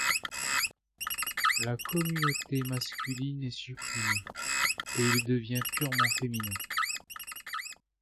La communauté masculine est supprimée et il devient purement féminin.